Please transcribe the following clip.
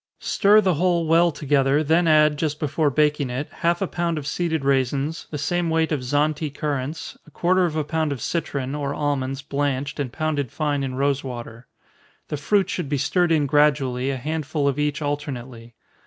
Stir the whole well together, then add, just before baking it, half a pound of seeded raisins, the same weight of Zante currants, a quarter of a pound of citron, or almonds blanched, and pounded fine in rosewater. The fruit should be stirred in gradually, a handful of each alternately.